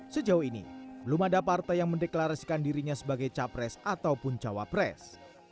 sejauh ini belum ada partai yang mendeklarasikan dirinya sebagai capres ataupun cawapres